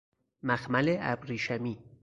مخمل ابریشمی